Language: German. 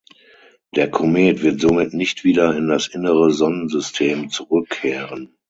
Der Komet wird somit nicht wieder in das innere Sonnensystem zurückkehren.